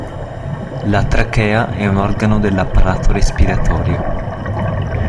La trachea è un organo dell’apparato respiratorio.